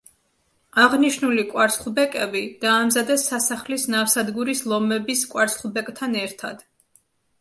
აღნიშნული კვარცხლბეკები დაამზადეს სასახლის ნავსადგურის ლომების კვარცხლბეკთან ერთად.